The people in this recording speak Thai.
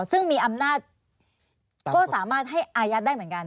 ซึ่งมีอำนาจก็สามารถให้อายัดได้เหมือนกัน